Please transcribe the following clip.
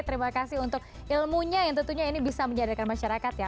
terima kasih untuk ilmunya yang tentunya ini bisa menyadarkan masyarakat ya